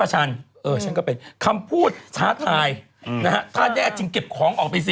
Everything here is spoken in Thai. ฉันเออฉันก็เป็นคำพูดท้าทายนะฮะถ้าแน่จริงเก็บของออกไปสิ